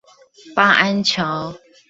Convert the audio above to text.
八安橋